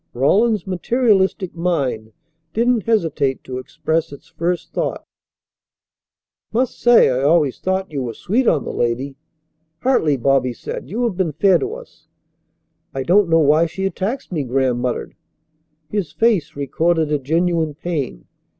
Rawlins's materialistic mind didn't hesitate to express its first thought: "Must say, I always thought you were sweet on the lady." "Hartley!" Bobby said. "You have been fair to us?" "I don't know why she attacks me," Graham muttered. His face recorded a genuine pain.